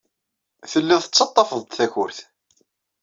Tellid tettaḍḍafed-d takurt.